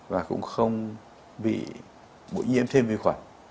và cũng không bị bụi nhiễm thêm vi khuẩn